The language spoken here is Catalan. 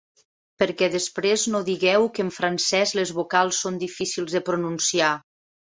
Perquè després no digueu que en francès les vocals són difícils de pronunciar.